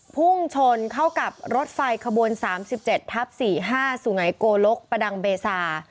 พุ่งชนเข้ากับรถไฟขบวน๓๗ทับ๔๕สุไงโกลกประดังเบซา